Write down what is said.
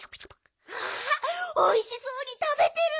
わあおいしそうにたべてる。